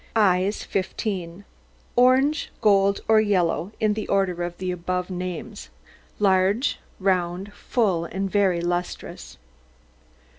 EYES 15 Orange, gold, or yellow, in the order of the above names, large, round, full, and very lustrous.